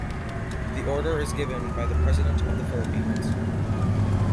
The Order is given by the President of the Philippines.